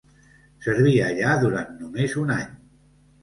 Serví allà durant només un any.